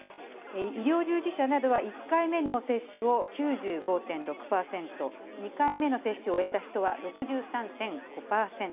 医療従事者などは１回目の接種を９５．６％、２回目の接種を終えた人は６３．５％。